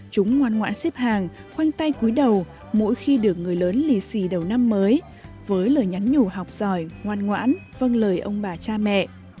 chúng ngoan ngoãn xếp hàng khoanh tay cuối đầu mỗi khi được người lớn lì xì đầu năm mới với lời nhắn nhủ học giỏi ngoan ngoãn vâng lời ông bà cha mẹ